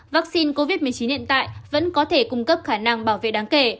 vaccine covid một mươi chín hiện tại vẫn có thể cung cấp khả năng bảo vệ đáng kể